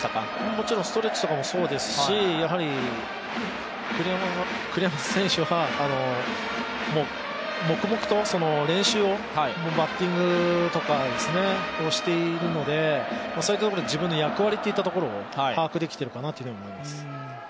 もちろんストレッチとかもそうですし栗山選手は黙々と練習をバッティングとかをしているので、そういうところの自分の役割といったところを把握できてるかなというふうに思います。